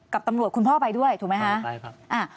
กับตำรวจคุณพ่อไปด้วยถูกไหมคะไปครับ